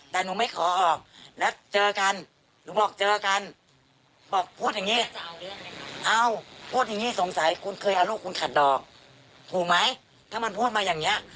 ถูกไหมถ้ามันพูดมาอย่างนี้